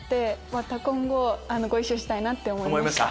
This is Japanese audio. また今後ご一緒したいなって思いました。